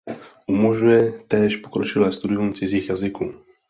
Umožňuje též pokročilé studium cizích jazyků.